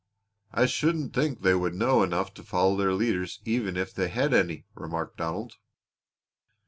"I shouldn't think they would know enough to follow their leaders even if they had any," remarked Donald.